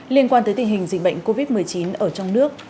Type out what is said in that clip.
liên quan tới tình hình dịch bệnh covid một mươi chín ở trong nước